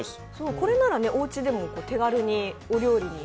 これならおうちでも手軽にお料理に。